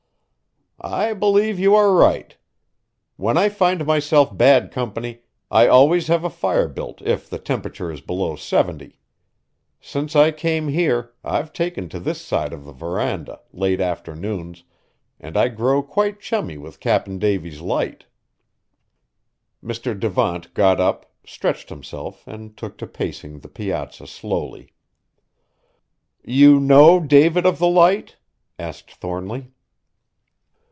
"I believe you are right. When I find myself bad company, I always have a fire built if the temperature is below seventy. Since I came here I've taken to this side of the veranda, late afternoons, and I grow quite chummy with Cap'n Davy's Light." Mr. Devant got up, stretched himself and took to pacing the piazza slowly. "You know David of the Light?" asked Thornly.